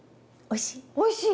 おいしい？